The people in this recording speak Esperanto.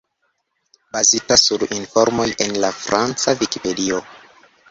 Bazita sur informoj en la franca Vikipedio.